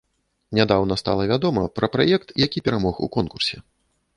Нядаўна стала вядома пра праект, які перамог у конкурсе.